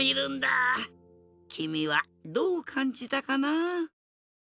きみはどうかんじたかな？